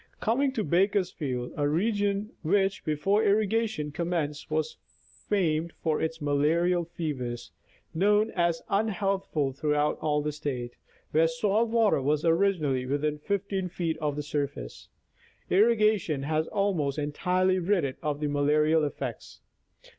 Coming to Bakersfield, a region which before irrigation commenced was famed for its malarial fevers — known as unhealthful throvighout all the State — where soil water was originally within 15 feet of the surface, irrigation has almost entirely rid it of the malarial effects.